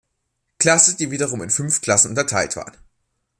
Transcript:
Klasse, die wiederum in fünf Klassen unterteilt waren.